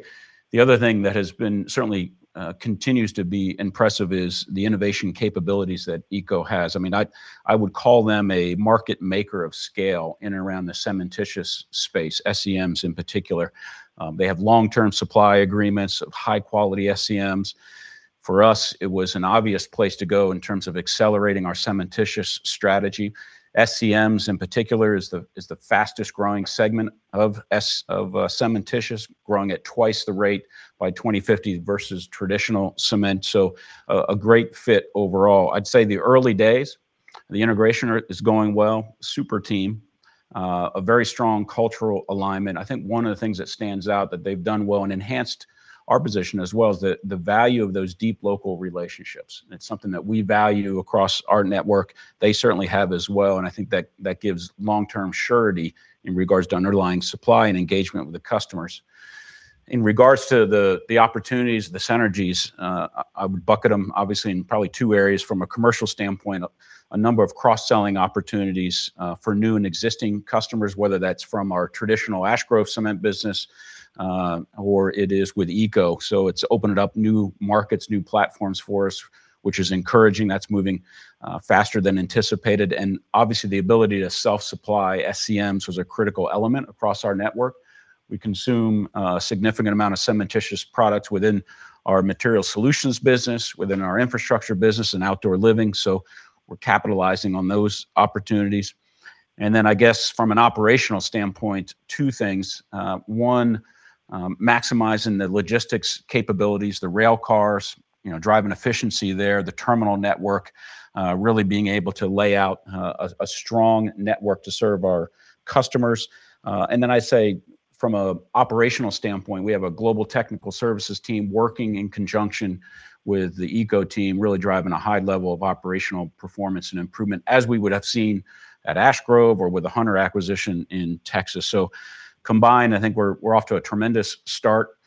the other thing that has been certainly continues to be impressive is the innovation capabilities that Eco has. I mean, I would call them a market maker of scale in and around the cementitious space, SCMs in particular. They have long-term supply agreements of high-quality SCMs. For us, it was an obvious place to go in terms of accelerating our cementitious strategy. SCMs, in particular, is the fastest-growing segment of cementitious, growing at twice the rate by 2050 versus traditional cement. So a great fit overall. I'd say the early days, the integration is going well, super team, a very strong cultural alignment. I think one of the things that stands out that they've done well and enhanced our position as well, is the value of those deep local relationships. It's something that we value across our network. They certainly have as well, and I think that, that gives long-term surety in regards to underlying supply and engagement with the customers. In regards to the opportunities, the synergies, I would bucket them obviously in probably two areas from a commercial standpoint, a number of cross-selling opportunities, for new and existing customers, whether that's from our traditional Ash Grove Cement business, or it is with Eco. So it's opened up new markets, new platforms for us, which is encouraging. That's moving, faster than anticipated. And obviously, the ability to self-supply SCMs was a critical element across our network. We consume a significant amount of cementitious products within our material solutions business, within our infrastructure business and outdoor living, so we're capitalizing on those opportunities. And then I guess from an operational standpoint, two things, one, maximizing the logistics capabilities, the rail cars, you know, driving efficiency there, the terminal network, really being able to lay out a strong network to serve our customers. And then I say from an operational standpoint, we have a global technical services team working in conjunction with the Eco team, really driving a high level of operational performance and improvement, as we would have seen at Ash Grove or with the Hunter acquisition in Texas. So combined, I think we're off to a tremendous start,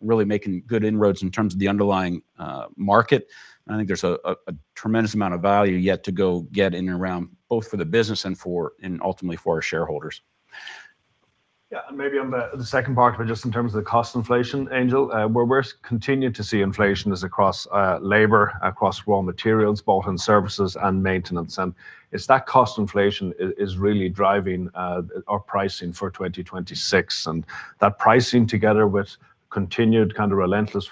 really making good inroads in terms of the underlying market. I think there's a tremendous amount of value yet to go get in and around, both for the business and for—and ultimately for our shareholders. Yeah, and maybe on the, the second part, but just in terms of the cost inflation, Angel, where we're continuing to see inflation is across, labor, across raw materials, bought-in services, and maintenance. And it's that cost inflation is, is really driving, our pricing for 2026. And that pricing, together with continued kind of relentless,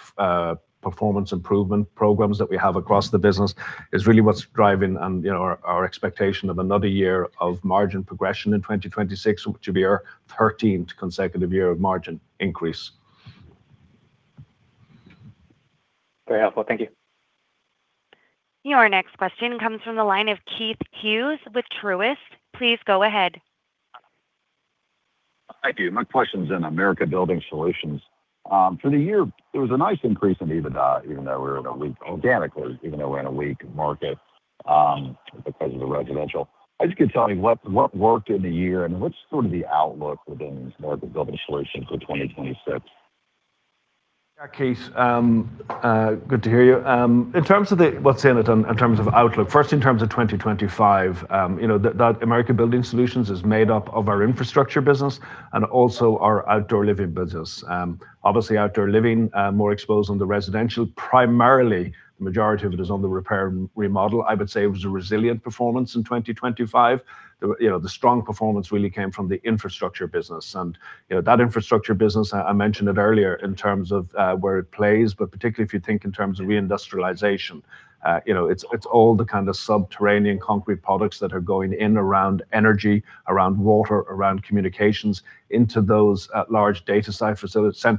performance improvement programs that we have across the business, is really what's driving, you know, our, our expectation of another year of margin progression in 2026, which will be our 13th consecutive year of margin increase. Very helpful. Thank you. Your next question comes from the line of Keith Hughes with Truist. Please go ahead. Thank you. My question is in America Building Solutions. For the year, there was a nice increase in EBITDA, even though we're in a weak, organically, even though we're in a weak market, because of the residential. I just get telling what, what worked in the year, and what's sort of the outlook within America Building Solutions for 2026? Yeah, Keith, good to hear you. In terms of outlook. First, in terms of 2025, you know, that, that Americas Building Solutions is made up of our infrastructure business and also our outdoor living business. Obviously, outdoor living, more exposed on the residential. Primarily, the majority of it is on the repair and remodel. I would say it was a resilient performance in 2025. You know, the strong performance really came from the infrastructure business. You know, that infrastructure business, I, I mentioned it earlier in terms of, where it plays, but particularly if you think in terms of reindustrialization. You know, it's all the kind of subterranean concrete products that are going in around energy, around water, around communications, into those large data center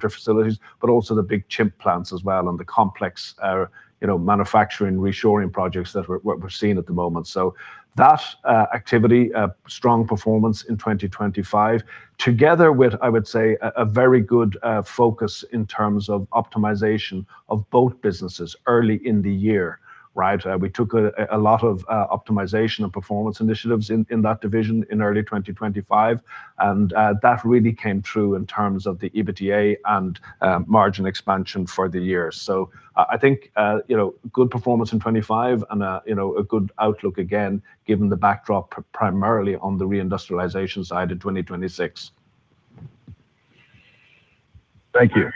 facilities, but also the big chip plants as well, and the complex, you know, manufacturing, reshoring projects that we're seeing at the moment. So that activity, a strong performance in 2025, together with, I would say, a very good focus in terms of optimization of both businesses early in the year, right? We took a lot of optimization and performance initiatives in that division in early 2025, and that really came through in terms of the EBITDA and margin expansion for the year. So I think, you know, good performance in 25 and, you know, a good outlook again, given the backdrop, primarily on the reindustrialization side in 2026. Thank you.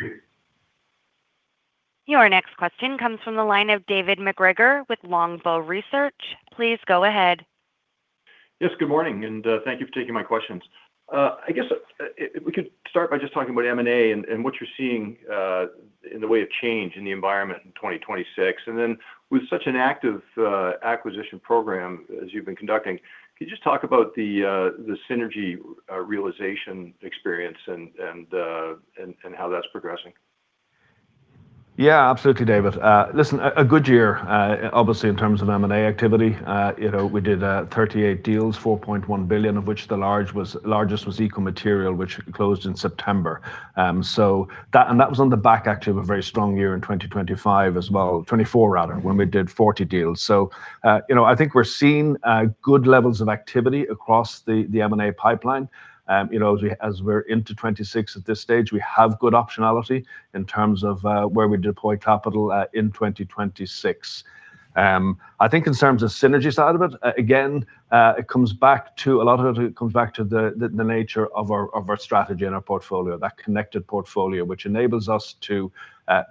Your next question comes from the line of David MacGregor with Longbow Research. Please go ahead. Yes, good morning, and thank you for taking my questions. I guess if we could start by just talking about M&A and what you're seeing in the way of change in the environment in 2026, and then with such an active acquisition program as you've been conducting, could you just talk about the synergy realization experience and how that's progressing? Yeah, absolutely, David. Listen, a good year, obviously, in terms of M&A activity. You know, we did 38 deals, $4.1 billion, of which the largest was Eco Material, which closed in September. So, and that was on the back, actually, of a very strong year in 2025 as well, 2024, rather, when we did 40 deals. So, you know, I think we're seeing good levels of activity across the M&A pipeline. You know, as we're into 2026 at this stage, we have good optionality in terms of where we deploy capital in 2026. I think in terms of synergy side of it, again, it comes back to a lot of it, it comes back to the nature of our strategy and our portfolio. That connected portfolio, which enables us to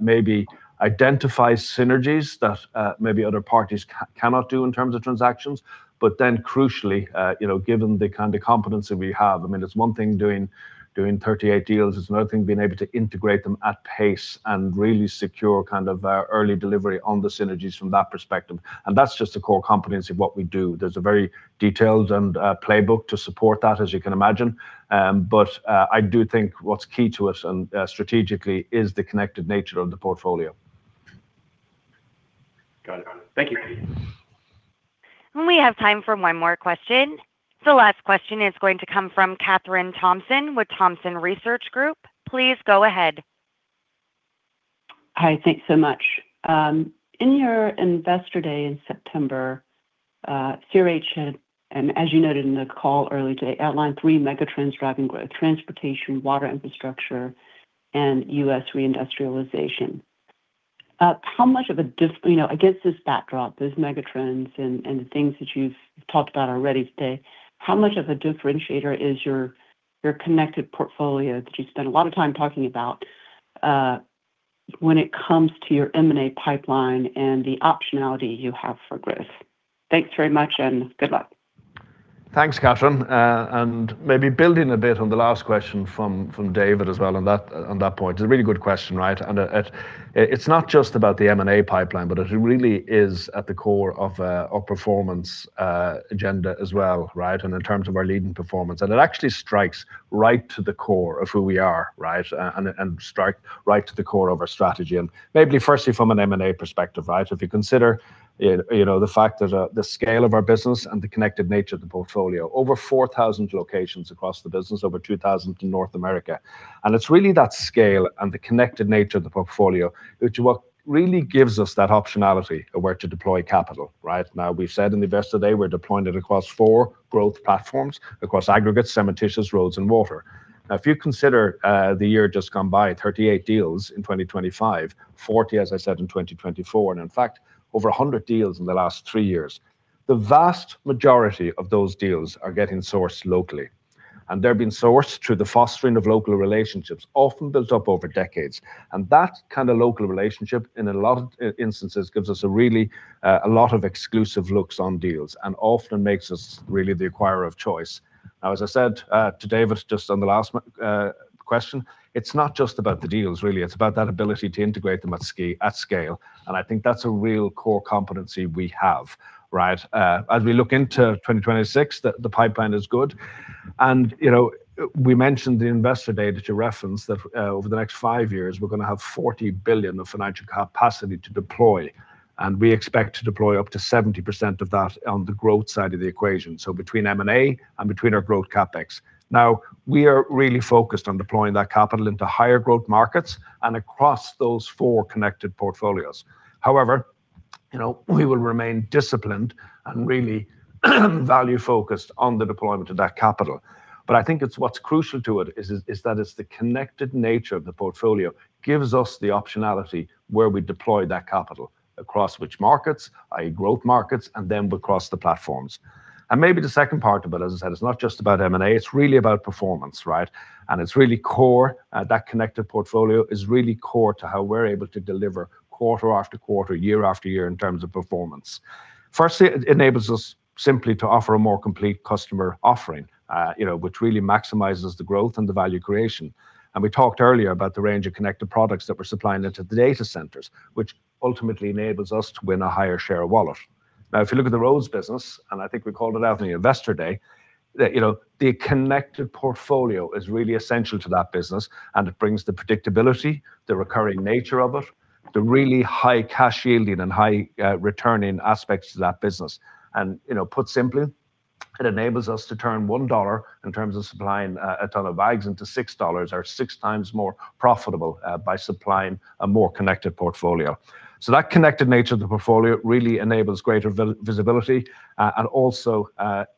maybe identify synergies that maybe other parties cannot do in terms of transactions. But then crucially, you know, given the kind of competency we have, I mean, it's one thing doing 38 deals, it's another thing being able to integrate them at pace and really secure kind of early delivery on the synergies from that perspective. And that's just the core competency of what we do. There's a very detailed playbook to support that, as you can imagine. But I do think what's key to us and strategically is the connected nature of the portfolio. Got it. Thank you. We have time for one more question. The last question is going to come from Kathryn Thompson with Thompson Research Group. Please go ahead. Hi, thanks so much. In your Investor Day in September, CRH had, and as you noted in the call earlier today, outlined three megatrends driving growth: transportation, water infrastructure, and U.S. reindustrialization. You know, against this backdrop, these megatrends and, and the things that you've talked about already today, how much of a differentiator is your, your connected portfolio that you spent a lot of time talking about, when it comes to your M&A pipeline and the optionality you have for growth? Thanks very much, and good luck. Thanks, Kathryn. And maybe building a bit on the last question from David as well on that point. It's a really good question, right? And it's not just about the M&A pipeline, but it really is at the core of our performance agenda as well, right? And in terms of our leading performance. And it actually strikes right to the core of who we are, right? And strike right to the core of our strategy, and maybe firstly, from an M&A perspective, right? If you consider it, you know, the fact that the scale of our business and the connected nature of the portfolio, over 4,000 locations across the business, over 2,000 in North America. It's really that scale and the connected nature of the portfolio, which what really gives us that optionality of where to deploy capital, right? Now, we've said in Investor Day, we're deploying it across four growth platforms: across aggregates, cementitious, roads, and water. Now, if you consider, the year just gone by, 38 deals in 2025, 40, as I said, in 2024, and in fact, over 100 deals in the last three years. The vast majority of those deals are getting sourced locally... and they're being sourced through the fostering of local relationships, often built up over decades. And that kind of local relationship, in a lot of instances, gives us a really, a lot of exclusive looks on deals and often makes us really the acquirer of choice. Now, as I said to David, just on the last one question, it's not just about the deals, really, it's about that ability to integrate them at scale, and I think that's a real core competency we have, right? As we look into 2026, the pipeline is good. And, you know, we mentioned the investor data to reference that, over the next five years, we're gonna have $40 billion of financial capacity to deploy, and we expect to deploy up to 70% of that on the growth side of the equation, so between M&A and between our growth CapEx. Now, we are really focused on deploying that capital into higher growth markets and across those four connected portfolios. However, you know, we will remain disciplined and really value-focused on the deployment of that capital. But I think what's crucial to it is that it's the connected nature of the portfolio gives us the optionality where we deploy that capital, across which markets, i.e. growth markets, and then across the platforms. And maybe the second part of it, as I said, it's not just about M&A, it's really about performance, right? And it's really core, that connected portfolio is really core to how we're able to deliver quarter after quarter, year after year in terms of performance. Firstly, it enables us simply to offer a more complete customer offering, you know, which really maximizes the growth and the value creation. And we talked earlier about the range of connected products that we're supplying into the data centers, which ultimately enables us to win a higher share of wallet. Now, if you look at the Roads business, and I think we called it out in the Investor Day, that, you know, the connected portfolio is really essential to that business, and it brings the predictability, the recurring nature of it, the really high cash yielding and high returning aspects to that business. And, you know, put simply, it enables us to turn $1 in terms of supplying a ton of bags into $6 or six times more profitable by supplying a more connected portfolio. So that connected nature of the portfolio really enables greater visibility and also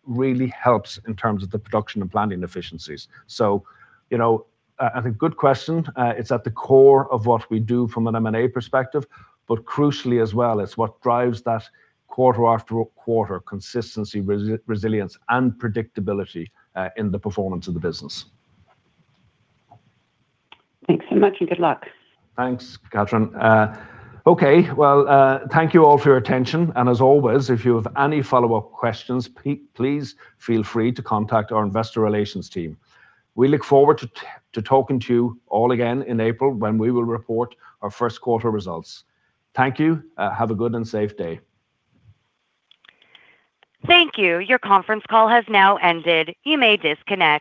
really helps in terms of the production and planning efficiencies. You know, and a good question, it's at the core of what we do from an M&A perspective, but crucially as well, it's what drives that quarter after quarter consistency, resilience, and predictability in the performance of the business. Thanks so much, and good luck. Thanks, Kathryn. Okay. Well, thank you all for your attention, and as always, if you have any follow-up questions, please feel free to contact our investor relations team. We look forward to talking to you all again in April when we will report our first quarter results. Thank you. Have a good and safe day. Thank you. Your conference call has now ended. You may disconnect.